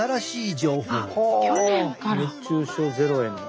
「熱中症ゼロへ」の。